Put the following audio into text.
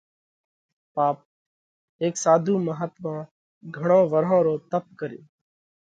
پاپ: هيڪ ساڌُو مهاتما گھڻون ورهون رو تپ ڪريو۔